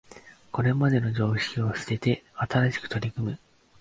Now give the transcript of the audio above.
これまでの常識を捨てて新しく取り組む